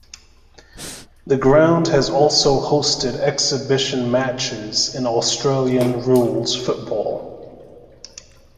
The ground has also hosted exhibition matches in Australian rules football.